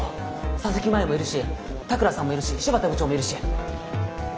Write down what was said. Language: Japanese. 佐々木真夕もいるし田倉さんもいるし新発田部長もいるし。